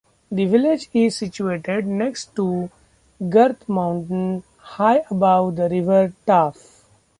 The village is situated next to the Garth Mountain, high above the River Taff.